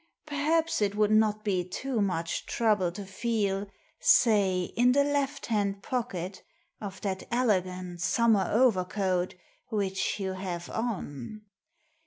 Perhaps it would not be too much trouble to feel, say, in the left hand pocket of that elegant summer overcoat which you have on."